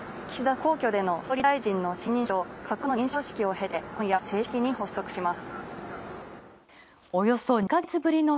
岸田政権では皇居での総理大臣の親任式と閣僚の認証式を経て今夜正式に発足します。